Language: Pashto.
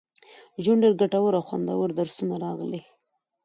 ژوند، ډېر ګټور او خوندور درسونه راغلي